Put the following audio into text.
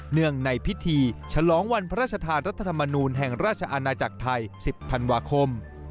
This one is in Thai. เนื่องในพิธีฉลองวันพระราชทานรัฐธรรมนูลแห่งราชอาณาจักรไทย๑๐ธันวาคม